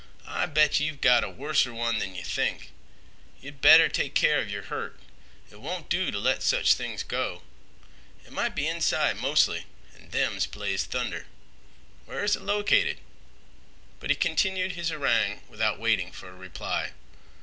"I bet yeh've got a worser one than yeh think. Ye'd better take keer of yer hurt. It don't do t' let sech things go. It might be inside mostly, an' them plays thunder. Where is it located?" But he continued his harangue without waiting for a reply.